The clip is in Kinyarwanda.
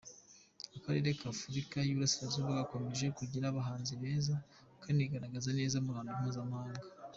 Akarere ka Afurika y’uburasirazuba gakomeje kugira abahanzi beza banigaragaza neza mu ruhando mpuzamahanga.